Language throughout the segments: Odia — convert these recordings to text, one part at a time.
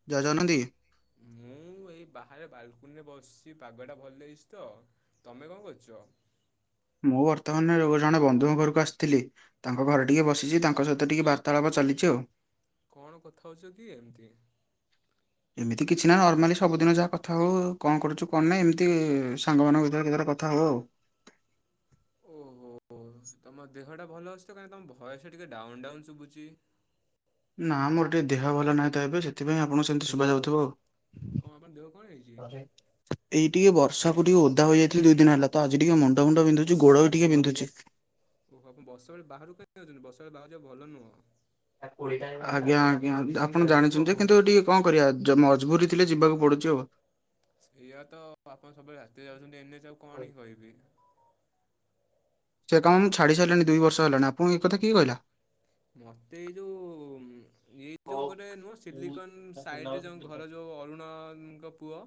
[unintelligible] ମୁଁ ଏଇ ବାହାରେ ବାଲକୁନରେ ବସିଛି ପାଗଟା ଭଲ ଦେଇଛି ତ ତମେ କଣ କରୁଛ? ମୁଁ ବର୍ତ୍ତମାନ ଜଣେ ବନ୍ଧୁଙ୍କ ଘରକୁ ଆସିଥିଲି। ତାଙ୍କ ଘରେ ଟିକେ ବସିଛି ତାଙ୍କ ସହିତ ଟିକେ ବାର୍ତ୍ତାଳାପ ଚାଲିଛି ଆଉ। କଣ କଥା ହଉଛ କି ଏମିତି? ଏମିତି କିଛି ନା ନର୍ମାଲି ସବୁଦିନ ଯାହା କଥା ହଉ। କଣ କରୁଛୁ କଣ ନାହିଁ ଏମିତି ସାଙ୍ଗମାନଙ୍କ ଭିତରେରେ କଥା ହଉ ଆଉ। ଓହୋ ତମ ଦେହଟା ଭଲ ଅଛି ତ? କାଇଁ ତମ ଭୟସ ଟିକେ ଡାଉନ ଡାଉନ୍ ଶୁଭୁଛି। ନା ମୋର ଟିକେ ଦେହ ଭଲ ନାହିଁ। ତ ଏବେ ସେଥିପାଇଁ ଆପଣ ସେମିତି ଶୁଭାଯ ଯାଉଥିବ ଆଉ। କଣ ଆପଣ ଦେହ କଣ ହେଇଛି? ଏଇ ଟିକେ ବର୍ଷାକୁ ଟିକେ ଓଧାଇଯାଇଥିଲ ଦୁଇ ଦିନ ହେଲା ତ ଆଜି ଟିକେଏ ମୁଣ୍ଡ ମୁୁଣ୍ଡ ବିନ୍ଧୁଛି ଗୋଡ ବି ଟିକେ ବିନ୍ଧୁଛି। ଓହ ଆପଣ ବର୍ଷ ବଳେ ବାହାରକୁ କାହିଁ ଯାଉଛନ୍ତି। ବର୍ଷ ବଳେ ବାରୁକୁ ଯିବା ଭଲ ନୁହଁ। ଆଜ୍ଞା ଆଜ୍ଞା ଆପଣ ଜାଣିଛନ୍ତି କିନ୍ତୁ ଟିକେ କଣ କରିବା ମଜବୁରି ଥିଲେ ଯିବାକୁ ପଡୁଛି ଆଉ। ସେଇଆ ତ ଆପଣ ସବୁବେଳେ ରାତିରେ ଯାଉଛନ୍ତି ଏମେ ଯଉ କଣ ହି କହିବି। ସେ କାମ ମୁଁ ଛାଡି ସାରିଲିଣି ଦି ବର୍ଷ ହେଲାଣି ଆପଣ ଏ କଥା କିଏହିଲା। ମତେ ଏଇ ଯୋଉ ଏଇ ଏ ଯୋଉ ଗୋଟେ ନୁହଁ ସିଲିକନ ସାଇଡରେ ଯୋଉ ଘର ଯୋଉ ଅରୁଣଙ୍କ ପୁଅ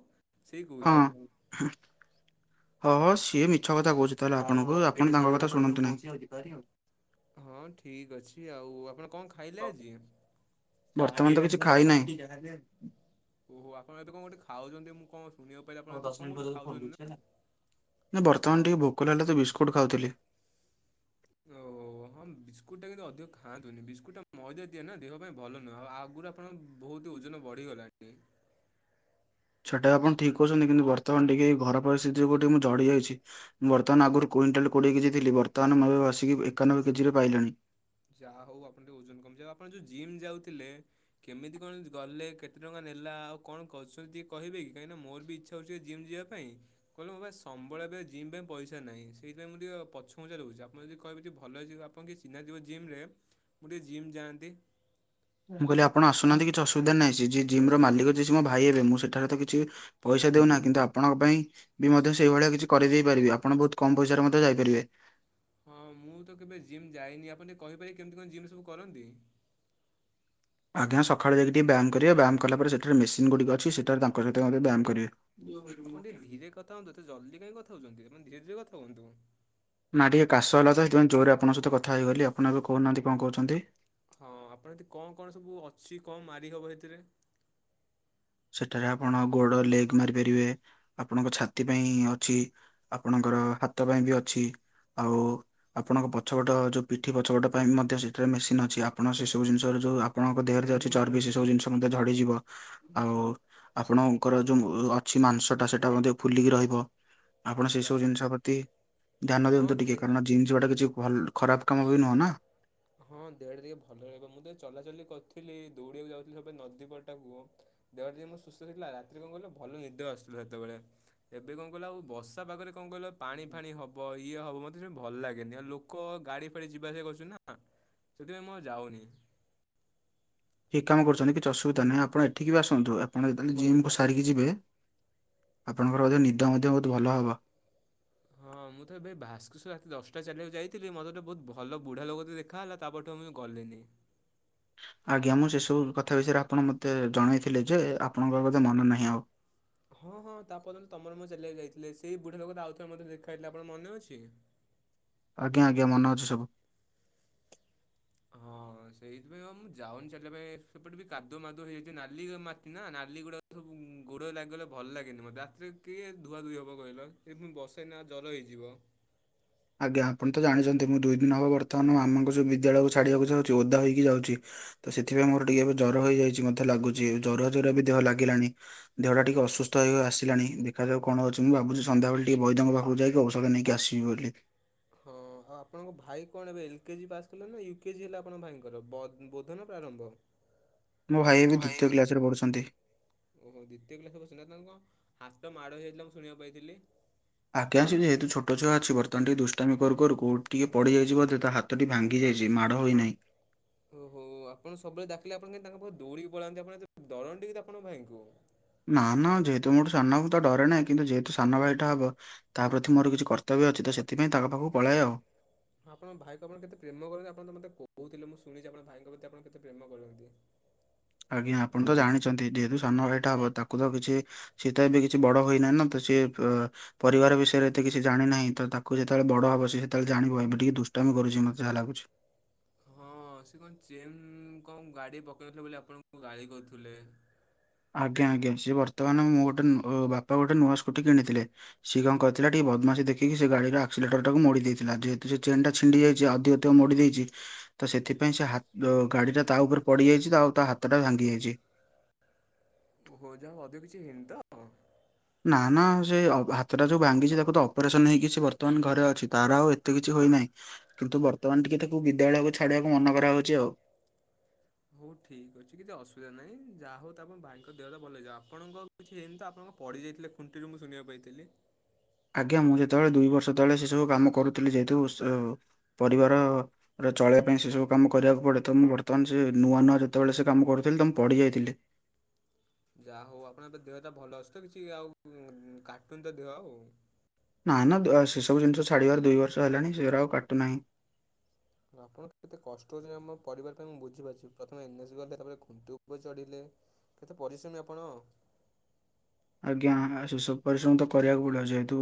ସେଇ କହୁଥିଲେ। [unintelligible] ହଁ ସିଏ ମିଛ କଥା କହୁଛି ତାହେଲେ ଆପଣଙ୍କୁ ଆପଣ ତାଙ୍କ କଥା ଶୁଣନ୍ତୁ ନାହିଁ। ହଁ ଠିକ ଅଛି ଆଉ ଆପଣ କଣ ଖାଇଲେ ଆଜି? ବର୍ତ୍ତମାନ ତ କିଛି ଖାଇ ନାହିଁ। ଓହୋ ଆପଣ ଏବେ କୋଟେ ଖାଉଛନ୍ତି ମୁଁ କଣ ଶୁଣିବାକୁ ପାଇଁଲି ଆପଣ ଏ କୋଠ ଖାଉଛନ୍ତି ନା ନା ବର୍ତ୍ତମାନ ଟିକେ ଭୋକଲ ହେଲା ତ ବିସ୍କୁଟ୍ ଖାଉଥିଲି। ଓ ହଁ ବିସ୍କୁଟ ଟା କିନ୍ତୁ ଅଧିକ ଖାଆନ୍ତୁନି ବିସ୍କୁଟ ଟା ମଇଦା ଦିଏ ନା ଦେହ ପାଇଁ ଭଲ ନୁହଁ ଆଉ ଆଗା ଆପଣ ବହୁତ ଓଜନ ବଢ଼ିଗଲାଣି। ସେଟା ଆପଣ ଠିକ କହୁଛନ୍ତି କିନ୍ତୁ ବର୍ତ୍ତମାନ ଟିକେ ଏଇ ଘର ପରିସ୍ଥିତି ଯୁଉ ଟିକେ ମୁଁ ଝଡି ଯାଇଛି। ମୁଁ ବର୍ତ୍ତମାନ ଆଗରୁ କୁଇଣ୍ଟାଲ କୋଡିଏ କେଜିଥିଲି ବର୍ତ୍ତମାନ ମୁଁ ଏବେ ବସିକି ଏକାନବେ କେଜିରେ ପାଇଲିଣି। ଯାହା ହଉ ଆପଣ ଟିକେ ଓଜନ କମିଯିବ ଆପଣ ଯୋଉ ଜିମ୍ ଯାଉଥିଲେ। କେମିତି କଣ ଗଲେ କେତେ ଟଙ୍କା ନେଲା ଆଉ କଣ କରୁଛନ୍ତି କହିବେ କି କାହିଁକି ନା ମୋର ବି ଇଛା। [unintelligible] ଜିମ୍ ଯିବା ପାଇଁ। କହିଲେ ମୋ ପାଖେ ସମ୍ବଳ ପାଇଁ ଜିମ ପାଇଁ ପଇସା ନାହିଁ ସେଇଥି ପାଇଁ ମୁଁ ଟିକଏ ପଛ ଘୁଞ୍ଚା ରହୁଛି ଆପଣ ଯଦି କହିବେ ଭଲ ଜି ହେଇଛି। ଆପଣଙ୍କର କିଏ ଚିହ୍ନା ଥିବ ଜିମ ରେ ମୁଁ ଟିକେ ଜିମ୍ ଯାଆନ୍ତି। ମୁଁ, କହିଲି ଆପଣ ଆସୁନାହାନ୍ତି କି ଅସୁବିଧା ନାଁ ଯିଏ ଜିମ ର ମାଲିକ ଯିଏି ମୋ ଭାଇ ହେବେ ମୁଁ ସେଠାରେ ତ କିଛି ପଇସା ଦଉନା କିନ୍ତୁ ଆପଣଙ୍କ ପାଇଁ ବି ମଧ୍ୟ ସେଇଭଳିଆ କିଛି କରିଦେଇ ପାରିବି ଆପଣ ବହୁତ କମ ପଇସାରେ ମଧ୍ୟ ଯାଇପାରିବେ। ହଁ ମୁଁ ତ କେବେ ଜିମ୍ ଯାଇନି ଆପଣ ଟିକେ କହିପାରିବେ କେମିତି କଣ ଜିମ୍ ସବୁ କରନ୍ତି? ଆଜ୍ଞା, ସକାଳେ ଯାଇି ଟିକେ ବ୍ୟାୟାମିବ ବ୍ୟାୟାମ କଲା, ପରେ ସେଠାରେ ମେସିନ୍ ଗୁଡ଼ିକ ଅଛି। ସେଠାରେ ତାଙ୍କ ସହିତ ମଧ୍ୟ ବ୍ୟାୟାମ କରିବେ [unintelligible] ଆପଣ ଟିକେ ଧୀରେ କଥା ହୁଅନ୍ତୁ ଜଲଦି କାଇଁ କଥାଉଛନ୍ତି। ଆପ ଧୀରେ ଧୀରେ କଥା ହୁଅନ୍ତୁ। ନା ଟିକେ କାଶ ହେଲା ତ ସେଥିପାଇଁ ଜୋରେ ଆପଙ୍କହି କଥା ହେଇଗଲି। ଆପଣବେ କହୁନାହା କଣ କହୁଛନ୍ତି। ହଁ ଆପଣ ଏଠି କଣ କଣ ସବୁ ଅଛି କଣ ମାରିହବ ସେଥିରେ? ସେଠାରେ ଆପଣ ଗୋଡ ଲେଗ ମାରିପାରିବେ ଆପଣଙ୍କ ଛାତି ପାଇଁ ଅଛି। ଆପଣଙ୍କର ହାତ ପାଇଁ ବି ଅଛି। ଆଉ। ଆପଣଙ୍କ ପଛପଟ ଯୋଉ ପିଠି ପଛପଟ ପାଇଁ ମଧ୍ୟ ସେଥିରେ ମେସିନ୍ ଅଛି। ଆପଣ ସେ ସବୁ ଜିନିଷର ଆପଣଙ୍କ ଦେହରେ ଯେ ଅଛି ଚର୍ବି, ସେ ସବୁ ଜିନିଷ ମଧ୍ୟ ଝଡିଯିବ। ଆଉ ଆପଣଙ୍କର ଯୋଉ ଅଛି ମାଂସଟା ସେଇଟା ମଧ୍ୟ ଫୁଲିକି ରହିବ। ଆପଣ ସେ ଯା ସବୁ ଜିନିଷ ପ୍ରତି ଧ୍ୟାନ ହଁ ଦିଅନ୍ତୁ ଟିକେ ଦେ କାରଣ ଜିନି ଯିବାଟା କିଛି ଭଲ ଖରାପ କାମ ବି ନୁହଁନା। ହଁ ଦେହଟା ଟିକେ ଭଲ ରହିବ। ମୁଁ ତ ଚଲାଚଲି କରୁଥିଲି, ଦୌଡ଼ିବାକୁ ଯାଉଥିଲି ସେ ନଦୀ ପଟାକୁ। ଦେହଟା ଟିକେ ମୋ ସୁସ୍ଥ ଥିଲା। ରାତିରେ କଣ କହିଲ ଭଲ ନିଦ ଆସୁଥିଲା ସେତେବେଳେ। ଏବେ କଣ କଇଲ ଆଉ ବର୍ଷା ପାଗରେ କଣ କଇଲ ପାଣି ଫାଣି ହବ ଇଏ ହବ ମତେ ସେ ଭଲ ଲାଗେନି ଆଉ ଲୋ ଲୋକ ଗାଡି ଫାଡ଼ି ଯିବା ଆସିଆ କରୁଛନ୍ତି ନା ସେଥିପାଇଁ ମୁଁ ଯାଉନି। ଠିକ୍ କାମ କରୁଛନ୍ତି କିଛି ଅସୁବିଧା ନାହିଁ, ଆପଣ ଏଠିକି ବି ଆସନ୍ତୁ ଆପଣ ଯେତେବେଳେ ଜିମ୍ କୁ ସାରିକି ଯିବେ। ଆପଣଙ୍କର ମଧ୍ୟ ନିଦ ମଧ୍ୟ ବହୁତ ଭଲ ହବ। ହଁ ମୁଁ ତ ଏବେ ଭାସ୍କରେଶ ରାତି ଦଶଟା ଚାଲିବାକୁ ଯାଇଥିଲି ମତେ ଗୋଟେ ବହୁତ ଭଲ ବୁଢା ଲୋକ ଦେଖି ଖା ହେଲା ତାପରଠୁଆଉ ମୁଁ ଗଲିନି। ଆଜ୍ଞା ମୁଁ ସେସବୁ କଥା ବିଷୟରେ ଆପଣ ମୋତେ ଜଣେଇଥିଲେ ଯେ ଆପଣଙ୍କର ବୋଧେ ମନ ନାହିଁ ଆଉ। ହଁ ହଁ ତା ପରଦିନ ତମର ମୁଁ ଚାଲିଆକୁ ଯାଇଥିଲେ ସେଇ ବୁଢାଲୋକ ଆଉଥରେ ମତେ ଦେଖାଯାଇଥିଲା ଆପଣ ମନେ ଅଛି। ଆଜ୍ଞା ଆଜ୍ଞା ମନ ଅଛି ସବୁ। ହଁ ସେଇଥିପାଇଁ ଆଉ ମୁଁ ଯାଉନି ଚାଲିବା ପାଇଁ ସେପଟେ ବି କାଦୁଅ ମାଦୁଅ ହେଇଛି ନାଲି ମାଟି ନା ନାଲି ଗୁଡା ସବୁ ଗୋଡରେ ଲାଗିଗଲେ ଭଲ ଲାଗେନି ମତେ ରାତିରେ କିଏ ଧୁଆଧୁଇ ହବ କହିଲ ଏ ପୁଣି ବର୍ଷା ଦିନ ଜର ହେଇଯିବ। ଆଜ୍ଞା ଆପଣ ତ ଜାଣିଛନ୍ତି ମୁଁ ଦୁଇ ଦିନ ହବ ବର୍ତ୍ତମାନ ମାମାଙ୍କୁ ଯଉ ବିଦ୍ୟାଳୟକୁ ଛାଡିବାକୁ ଯାଉଛି ଓଦା ହୋଇକି ଯାଉଛି। ତ ସେଥିପାଇଁ ମୋର ଟିକେ ଏବେ ଜର ହେଇଯାଇଛି ମଧ୍ୟ ଲାଗୁଛି ଜରୁଆ ଜରୁଆ ବି ଦେହ ଲାଗିଲାଣି। ଦେହଟା ଟିକେ ଅସସ୍ଥ ହୋଇ ଆସିଲାଣି ଦେଖାଯାଉ କଣ ହଉଚି ମୁଁ ଭାବୁଛି ସନ୍ଧ୍ୟା ବେଳେ ବୈଦଙ୍କ ପାଖକୁ ଯଇକି ଔଷଧ ନେଇକି ଆସି [unintelligible] ହଁ ଆଉ ଆପଣଙ୍କ ଭାଇ କଣ ଏବେ ଏଲ୍ କେଜିି ପାସ୍ କଲେ ନା ୟୁ କେେଜି ହେଲା ଆପଣଙ୍କ ଭାଇଙ୍କର ବୋଧ ନା ପ୍ରାରମ୍ଭ। ମୋ ଭାଇ ଏବେ ଦ୍ଵିତୀୟ କ୍ଲାସରେ ପଢ଼ୁଛନ୍ତି। ଓହୋ ଦ୍ୱିତୀୟ କ୍ଲାସ୍ ପଢୁସନ୍ତୀ। ତାଙ୍କ ହାତ ମାଡ଼ ହେଇଯାଇଥିଲା ମୁଁ ଶୁଣିବାକୁ ପାଇଥିଲି। ଆଜ୍ଞା ଯେହେତୁ ଛୋଟ ଛୁଆ ଅଛି ବର୍ତ୍ତମାନ ଟିକେ ଦୁଷ୍ଟାମି କରୁ କରୁ କୋଉଠି ଟିକେ ପଡିଯାଇଛି ବୋଧେ ତା ହାତ ହାତଟି ଭାଙ୍ଗି ଯାଇଛି, ମାଡ଼ ହୋଇନାହିଁ। ଓ ହୋ ଆପଣ ସବୁବେଳେ ଡାକିଲେ ଆପଣ କେମିତି ତାଙ୍କ ପାଖକୁ ଦୌଡିକି ପଳାନ୍ତି ଆପଣ ଡରନ୍ନ୍ତି କି ଆପଣଙ୍କ ଭାଇଙ୍କୁ। ନା ନା ଯେହେତୁ ମୋଠୁ ସାନ ହବ ତ ଡରେ ନାହିଁ କିନ୍ତୁ ଯେହେତୁ ସାନଭାଇଟା ହବ। ତା ପ୍ରତି ମୋର କିଛି କର୍ତ୍ତବ୍ୟ ଅଛି ତ ସେଥିପାଇଁ ତାଙ୍କ ପାଖକୁ ପଳାଏ ଆଉ। ହଁ ଆପଣ ଭାଇକୁ ଆପଣ କେତେ ପ୍ରେମ କରନ୍ତି ଆପଣ ତ ମତେ କହୁଥିଲେ ମୁଁ ଶୁଣିଛି ଆପଣ ଭାଇଙ୍କ ପ୍ରତି ଆପଣ କେତେ ପ୍ରେମ କରନ୍ତି ଆଜ୍ଞା ଆପଣ ତ ଜାଣିଛନ୍ତି ଯେହେତୁ ସାନ ଭାଇଟା ହବ ତାକୁ ତ କିଛି। ସେ ତ ଏବେ କିଛି ବଡ ହୋଇନାହିଁ ନା ତ ସେ ଅ ପରିବାର ବିଷୟରେ ଏତେ କିଛି ଜାଣିନାହିଁ ତ ତାକୁ ଯେତେବେଳେ ବଡ଼ ହବ ସେତେବେଳେ ଜାଣିବ ଏବେ ଟିକେ ଦୁଷ୍ଟାମି କରୁଛି ମତେ ଯାହା ଲାଗୁଛି। ହଁ ସେ କଣ ଚେନ୍ କଣ ଗାଡି ପକେଇନ ଥିଲେ ବୋଲି ଆପଣଙ୍କୁ ଗାଳି କରୁଥିଲେ। ଆଜ୍ଞା ଆଜ୍ଞା ସିଏ ବର୍ତ୍ତମାନ ମୁଁ ଗୋଟେ ବାପା ଗୋଟେ ନୂଆ ସ୍କୁଟି କିଣିଥିଲେ। ସିଏ କଣ କରିଥିଲା ଟିକେ ବଦମାସୀ ଦେଖିକି ସେ ଗାଡିର ଆକ୍ସିଲେଟରଟାକୁ ମୋଡି ଦେଇଥିଲା ଯେହେତୁ ସେ ଚେନ୍ ଟା ଛିଣ୍ଡି ଯାଇଛି ଅଧିକ ଅଧିକ ମୋଡି ଦେଇଛି। ତ ସେଥିପାଇଁ ସେ ଗାଡିଟା ତା ଉପରେ ପଡି ଯାଇଛି ତ ଆଉ ତା ହାତଟା ଭାଙ୍ଗି ଯାଇଛି। ଓହୋ, ଯାହା ଅଧିକ କିଛି ହେଇନି ତ? ନା ନା ସେ ହାତଟା ଯୋଉ ଭାଙ୍ଗିଛି ତାକୁ ତ ଅପରେସନ ହେଇ କିଛି ବର୍ତ୍ତମାନ ଘରେ ଅଛି ତାର ଆଉ ଏତେ କିଛି ହୋଇନାହିଁ। କିନ୍ତୁ ବର୍ତ୍ତମାନ ଟିକେ ତାକୁ ବିଦ୍ୟାଳୟକୁ ଛାଡିବାକୁ ମନ କରା ହଉଚି ଆଉ। ହଉ ଠିକ୍ ଅଛି କିଛି ଅସୁବିଧା ନାହିଁ ଯାହା ହଉ ତା ଭାଇଙ୍କ ଦେହଟା ଭଲ ହେଇଯିବ ଆପଣଙ୍କ କିଛି ହେଇନି ତ ତ ଆପଣ କଁ ପଡ଼ିଯାଇଥିଲେ ଖୁଣ୍ଟିରୁ ମୁଁ ଶୁଣିବାକୁ ପାଇଥିଲି। ଆଜ୍ଞା ମୁଁ ଯେତେବେଳେ ଦୁଇବର୍ଷ ତଳେ ସେସବୁ କାମ କରୁଥିଲି ଯେହେତୁ ସୁ ପରିବାର ଚଳିବା ପାଇଁ ସେ ସବୁ କାମ କରିବାକୁ ପଡେ ତ ମୁଁ ବର୍ତ୍ତମାନ ସେ ନୂଆ ନୂଆ ଯେତେବେଳେ ସେ କାମ କରୁଥିଲି ତ ମୁଁ ପଡିି ଯାଇଥିଲି। ଯାହା ହଉ ଆପଣଙ୍କଏବେ ଦେହଟା ଭଲ ଅଛି ତ? କିଛି ଆଉ କାଟୁନି ତ ଦେହ ଆଉ? ନାଇଁ ନା ସେ ସବୁ ଜିନିଷ ଛାଡିବାର ଦୁଇବର୍ଷ ହେଲାଣି ସେଉରା ଆଉ କାଟୁ ନାହିଁ। ଆପଣ କେତେ କଷ୍ଟ ହଉଛନ୍ତି ଆମ ପରିବାର ପାଇଁ ମୁଁ ବୁଝିପାରୁଛି ପ୍ରଥମେ ଏନ୍ ଏସ୍ ଗଲେ ତାପରେ ଖୁଣ୍ଟି ଉପରେ ଚଢିଲେ। କେତେ ପରିଶ୍ରମୀ ଆପଣ? ଆଜ୍ଞା ସବୁ ପରିଶ୍ରମ ତ କରିବାକୁ ପଡିବ ଯେହେତୁ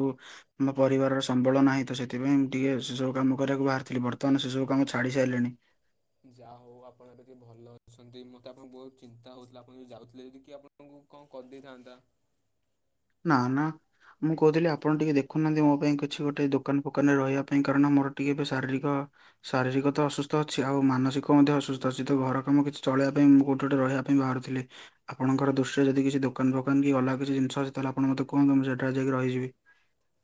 ଆମ ପରିବାରର ସମ୍ବଳ ନାହିଁ ତ ସେଥିପାଇଁ ମୁଁ ଟିକେ ସେ ସବୁ କାମ କରିବାକୁ ବାହାରିଥିଲି ବର୍ତ୍ତମାନ ସେସବୁ କାମ ଛାଡ଼ି ସାରିଲେଣି। ଯାହା ହଉ ଆପଣ ଏବେ ଟିକେ ଭଲ ଅଛନ୍ତି ମୋତେ ଆପଣଙ୍କୁ ବହୁତ ଚିନ୍ତା ହଉଥିଲା ଆପଣ ଯଉ ଯାଉଥିଲେ ଯଦି କି ଆପଣ ଙ୍କୁ କଣ କରିଦେଇଥାନ୍ତା? ନା ନା। ମୁଁ କହୁଥିଲି ଆପଣ ଟିକେ ଦେଖୁନାହାନ୍ତି ମୋ ପାଇଁ କିଛି ଗୋଟେ ଦୋକାନ ଫୋକାନରେ ରହିବା ପାଇଁ କାରଣ ମୋର ଟିକେ ଏବେ ଶାରୀରିକ ଶାରୀରିକ ତ ଅସୁସ୍ଥ ଅଛି ଆଉ ମାନସିକ ମଧ୍ୟ ଅସୁସ୍ଥ ଅଛି ତ ଘର କାମ କିଛି ଚଳିବା ପାଇଁ କୋଉଠି ଗୋଟେ ରହିବା ବାହାରୁଥିଲେ ଆପଣଙ୍କ ଦୃଶ୍ୟ ଯଦି କିଛି ଦୋକାନ ଫୋକାନ କି ଅଲଗା କିଛି ଜିନିଷ ତାହାଲେ ଆପଣ ମତେ କହନ୍ତୁ ମୁଁ ସେଠାରେ ଯାଇକି ରହିିଯିବି।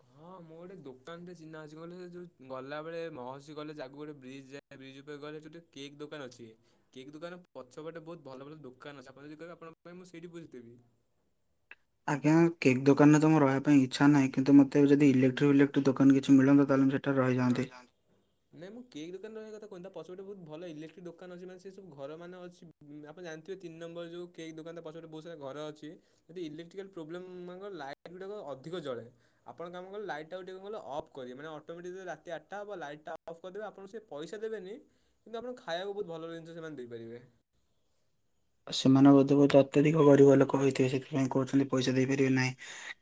ହଁ ମୁଁ ଗୋଟେ ଦୋକାନଟେ ଚିହ୍ନା ଅଛି ବଲେ ସେ ଯୋଉ ଗଲାବେଳେ ମହର୍ଷି କଲେଜ ଆଗକୁ ଗୋଟେ ବ୍ରିଜ୍ [unintelligible] ଗୋଟେ କେକ୍ ଦୋକାନ ଅଛି। କେକ୍ ଦୋକାନ ପଛପଟେ ବହୁତ ଭଲ ଭଲ ଦୋକାନ ଅଛି ଆପଣ ଯଦି କହିବେ ଆଣଙ୍କ ପାଇଁ ମୁଁ ସେଇଠି ବୁଝି ଦେବି। ଆଜ୍ଞା କେକ୍ ଦୋକାନରେ ତୋ ରହିବା ପାଇଁ ଇଚ୍ଛା ନାହିଁ କିନ୍ତୁ ମତେ ଯଦି ଇଲେକ୍ଟ୍ରିକ ବିଲେକ୍ଟ୍ରିକ ଦୋକାନ କିଛି ମିଳନ୍ତା ତାହଲେ ସେ ରହିଯାଆନ୍ତି। ନାଇଁ ମୁଁ କେକ୍ ଦୋକାନ ରେ ରହିବା କଥା କହୁନି ତା ପଛପଟେ ବହୁତ ଭଲ ଇକ୍ଟ୍ରିକ ଦୋକାନ ଅଛି ନା ସେ ସବୁ ଘର ମାନ ଅଛି। ଆପଣ ଜାଣିଥିବେ ତିନି ନମ୍ବର ଯୋଉ କେକ୍ ଦୋକାନ ତା ପଛ ପଟେ ବହୁତ ସାରା ଘର ଅଛି। ଯଦି ଇଲେକ୍ଟ୍ରିକାଲ ପ୍ରୋବ୍ଲେମ ଲାଇଟ୍ ଗୁଡାକ ଅଧିକ ଜଳେ। ଆପଣ କାମ କଲେ ଲାଇଟକୁ ଟିକେ ଅଫ କରିବେ ମାନେ ଅଟୋମେଟି ରାତି ଆଠଟା ହବ ଲାଇଟ୍ ଟା ଅଫ କରିବେ ଆପଣ ସେ ପଇସା ଦେବେନି। କିନ୍ତୁ ଆପଣ ଖାଇବାକୁ ବହୁତ ଭଲ ରେଞ୍ଜ୍ ରେ ସେମାନେ ଦେଇପାରିବେ। ସେମାନେ ବୋଧେ ଅତ୍ୟଧିକ ଗରିବ ଲୋକ ହେଇଥିବ ସେଥିପାଇଁ କହୁଛନ୍ତି ପଇସା ଦେଇପାରିବେ ନାହିଁ।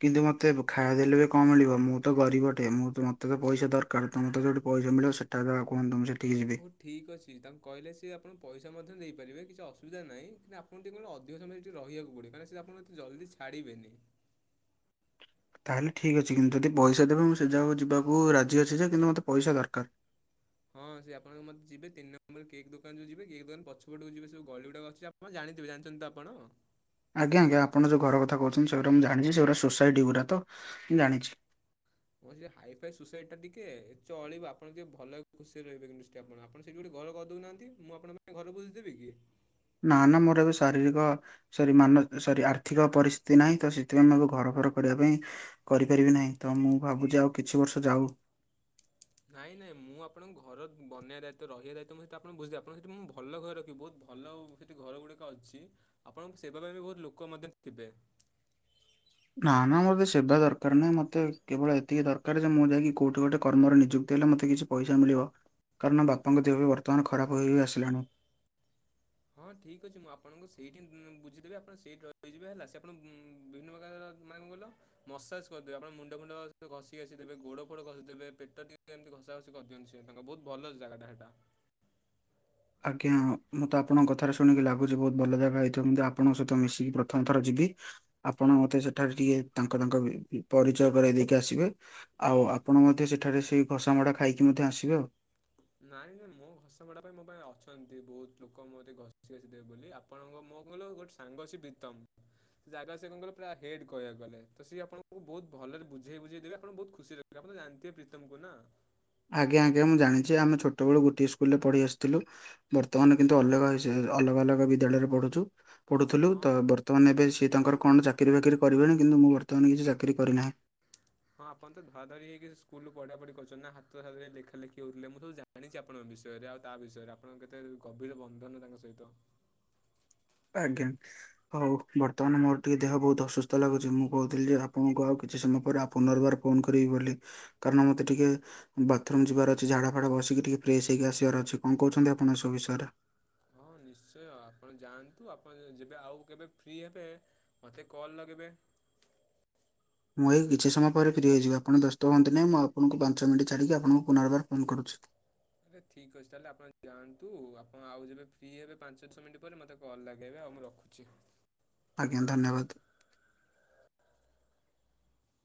କିନ୍ତୁ ମୋତେ ଖା ଦେଲେ କଣ ମିଳିବ ମୁଁ ତ ଗରିବ ଟେ ମୁଁ ମତେ ତ ପଇସା ଦରକାର। କାଳେ ତମେ ତ ଯୋଉଠି ପଇସା ମିଳିବ ସେଠା [unintelligible] ସେ ହଉ ଠିକ୍ ଅଛି ତାଙ୍କୁ କହିଲେ ସିଏ ଆପଣ ପଇସା ମଧ୍ୟ ଦେଇପାରିବେ କିଛି ଅସୁବିଧା ନାହିଁ କିନ୍ତୁ ଆପଣ ତେଣୁ ଅଧିକ ସମୟ ସେଠି ରହିବାକୁ ପଡିବ କାହିଁକି ସେ ଆପଣକୁ ଜଲଦି ଛାଡିବେନି। ତାହେଲେ ଠିକ ଅଛି କିନ୍ତୁ ଯଦି ପଇସା ଦେବେ ମୁଁ ସେ ଯାକୁ ଯିବାକୁ ରାଜି ଅଛି ଯେ କିନ୍ତୁ ମୋତେ ପଇସା ଦରକାର। ହଁ ସେ ଆପଣଙ୍କ ମତେ ଯିବେ ତିନି ନମ୍ବର କେକ୍ ଦୋକାନ ଯୋଉ ଯିବେ କେକ୍ ଦୋକାନ ପଛପଟକୁ ଯିବେ ସେ ଯୋଉ ଗଳି ଗୁାଡ଼ା ଅଛି ଆପ ଆପଣ ଜାଣିଥିବେ ଜାଣିଛନ୍ତି ତ ଆପଣ? ଆଜ୍ଞା ଆଜ୍ଞା ଆପଣ ଯୋଉଁ ଘର କଥା କହୁଛନ୍ତି ସେଗୁଡ଼ା ମୁଁ ଜାଣିଛି ସେଗୁଡ଼ା ସୋସାଇଟି ଗୁଡ଼ା ତ ମୁଁ ଜାଣିଛି। ହଁ ସେ ହାଇ ଫାଇ ସୋସାଇଟି ଟା ଟିକେ ଚଳିବ ଆପଣ ଟିକେ ଭଲ ଖୁସିରେ ରହିବେ [unintelligible] ଆପଣ ଆପଣ ସେଇଠି ଗୋଟେ ଘର କରିଦଉନାହାନ୍ତି ମୁଁ ଆପଣ ପାଇଁ ଘର ବୁଝିଦେବି କି? ନା ନା ମୋର ବି ଶାରୀରିକ ସରି ମାନ ସରି ଆର୍ଥିକ ପରିସ୍ଥିତି ନାହିଁ ତ ସେଥିପାଇଁ ଆଗ ଘର ଫର କରିବା ପାଇଁ। କରିପାରିବି ନାହିଁ ତ ମୁଁ ଭାବୁଛି ଆଉ କିଛି ବର୍ଷ ଯାଉ। ନାଇଁ ନାଇଁ ମୁଁ ଆପଣଙ୍କ ଘର ବନେଇବା ଦାୟିତ୍ୱ ରହିବା ଦାୟିତ୍ୱ ମୁଁ ସେତ ଆପଣ ବୁଝଦେବି ଆପଣଙ୍କ ସେତ ମୁଁ ଭଲ ଘର ରଖିବ ବହୁତ ଭଲ ଆଉ ସେ ଘର ଗୁଡିକ ଅଛି ଆପଣଙ୍କ ସେବା ପାଇଁ ବି ବହୁତ ଲୋକ ମଧ୍ୟ ଥିବେ। ନା ନା ମୋର ସେବା ଦରକାର ନାହିଁ ମତେ କେବଳ ଏତିକି ଦରକାର ଯେ ମୁଁ ଯାଇକି କୋଉଠି ଗୋଟେ କର୍ମରେ ନିଯୁକ୍ତି ହେଲେ ମୋତେ କିଛି ପଇସା ମିଳିବ କାରଣ ବାପାଙ୍କ ଦେହ ବି ବର୍ତ୍ତମାନ ଖରାପ ହୋଇ ଆସିଲାଣି। ହଁ ଠିକ୍ ଅଛି ମୁଁ ଆପଣଙ୍କୁ ସେଇଠି ମୁ ବୁଝିଦେବି ଆପଣ ସେଇଠି ରହିଯିବେ ହେଲା ସେ ଆପଣ ମୁ ବିଭିନ୍ନ ପ୍ରକାରର ମାନେ କଣ କହିଲ? ମସାଜ କରିଦେବେ ଆପଣ ମୁଣ୍ଡ ଫୁଣ୍ଡ ଘଷି ଘାସି ଦେବେ ଗୋଡ ଫୋଡ ଘସି ଦେବେ ପେଟ ଟିକେ ଏମିତି ଘସା ଘଷି କହିଦିଅନ୍ତି ସେ ତାଙ୍କ ବହୁତ ଭଲ ଜାଗାଟା ହେଇଟା। ଆଜ୍ଞା ମୋତେ ଆପଣଙ୍କ କଥାରେ ଶୁଣିକି ଲାଗୁଛି ବହୁତ ଭଲ ଜାଗା ହେଇଥିବ ଆପଣଙ୍କ ସହିତ ମିଶିକି ପ୍ରଥମ ଥର ଯିବି। ଆପଣ ମତେ ସେଠାରେ ଟିକେ ତାଙ୍କ ତାଙ୍କ ପରିଚୟ କରାଇ ଦେଇକି ଆସିବେ। ଆଉ ଆପଣ ମଧ୍ୟ ସେଠାରେ ସେଇ ଘସାମଡ଼ା ଖାଇକି ମଧ୍ୟ ଆସିବେ ଆଉ। ନାଇଁ ନାଇଁ ମୋ ଘଷା ମୋଡା ପାଇଁ ମୋ ପାଇଁ ଅଛନ୍ତି ବହୁତ ଲୋକ ମୋତେ ଘଷି ଘସି ଦେବେ ବୋଲି ଆପ ଆପଣଙ୍କ ମୋ କହିଲ ଗୋଟେ ସାଙ୍ଗ ଅଛି ବିତମ ସେ ଜାଗା ସେ କଣ କହିଲ ପୁରା ହେଡ କହିବାକୁ ଗଲେ ତ ସିଏ ଆପଣଙ୍କୁ ବହୁତ ଭଲରେ ବୁଝେଇ ବୁଝେଇ ଦେବେ ଆପଣ ବହୁତ ଖୁସିରେ ଆପଣ ତ ଜିଣି ଥିବେ ପ୍ରୀତମ କୁ ନା। ଆଜ୍ଞା ଆଜ୍ଞା ମୁଁ ଜାଣିଛି ଆମେ ଛୋଟ ବେଳୁ ଗୋଟିଏ ସ୍କୁଲ ରେ ପଢ଼ି ଆସିଥିଲୁ। ବର୍ତ୍ତମାନ କିନ୍ତୁ ଅଲଗା ଅଲଗା ଅଲଗା ବିଦ୍ୟାଳୟରେ ପଢୁଛୁ। ପଢ଼ୁଥିଲୁ ତ ହଁ ବର୍ତ୍ତମାନ ଏବେ ସିଏ ତାଙ୍କର କଣ ଚାକିରି ଫାକିରି କରିବେଣୀ କିନ୍ତୁ ମୁଁ ବର୍ତ୍ତମାନ କିଛି ଚାକିରି କରିନାହିଁ। ହଁ ଆପଣ ତ ଧରା ଧରି ହେଇକି ସ୍କୁଲରୁ ପଢା ପଢି କରିଛନ୍ତି ନା ହାତ ଧରା ଧରି ଲେଖା ଲଖି ହଉଥିଲେ ମୁଁ ସବୁ ଜା ଜାଣିଛି ଆପଣଙ୍କ ବିଷୟରେ ଆଉ ତା ବିଷୟରେ ଆପଣଙ୍କ କେତେ ଗଭୀର ବନ୍ଧନ ତାଙ୍କ ସହିତ। ଆଜ୍ଞା। ହଉ ବର୍ତ୍ତମାନ ମୋର ଟିକେ ଦେହ ବହୁତ ଅସୁସ୍ଥ ଲାଗୁଛି ମୁଁ କହୁଥିଲି ଯେ ଆପଣଙ୍କୁ ଆଉ କିଛି ସମୟ ପରେ ପୁନର୍ବାର ଫୋନ କରିବି ବୋଲି କାରଣ ମତେ ଟିକେ ବାଥରୁମ ଯିବାର ଅଛି ଝାଡା ଫାଡା ବସିକି ଟିକେ ଫ୍ରେଶ ହେଇକି ଆସିବାର ଅଛି କଣ କହୁଛନ୍ତି ଆପଣ ସବୁ ବିଷୟରେ। ହଁ ନିଶ୍ଚୟ ଆପଣ ଯାଆନ୍ତୁ ଆପଣ ଯେବେ ଆଉ କେବେ ଫ୍ରି ହେବେ ମତେ କଲ୍ ଲଗେଇବେ। ମୁଁ ଏଇ କିଛି ସମୟ ପରେ ଫ୍ରି ହୋଇଯିବ ଆପଣ ବ୍ୟେସ୍ତ ହୁଅନ୍ତି ନାହିଁ ମୁଁ ଆପଣଙ୍କୁ ପାଞ୍ଚ ମିନଟ୍ ଛାଡ଼ିକି ଆପଣଙ୍କୁୁ ପୁନର୍ବାର ଫୋନ୍ କରୁଛି। ଆରେ ଠିକ୍ ଅଛି ତାହେଲେ ଆପଣ ଯାଆନ୍ତୁ ଆପଣ ଆଉ ଯେବେ ଫି ହେବେ ପାଞ୍ଚ ଦଶ ମିନିଟ୍ ପରେ ମୋତେ କଲ୍ ଲଗାଇବେ ଆଉ ମୁଁ ରଖୁ ଚି ଆଜ୍ଞା ଧନ୍ୟବାଦ।